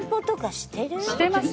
「してますよ」